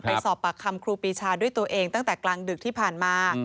ไปสอบปากคำครูปีชาด้วยตัวเองตั้งแต่กลางดึกที่ผ่านมา